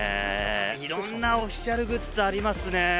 いろんなオフィシャルグッズありますね。